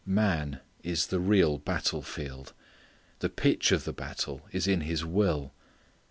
Man is the real battle field. The pitch of the battle is in his will.